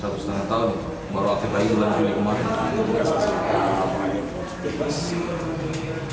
satu setengah tahun baru aktif lagi bulan juli kemarin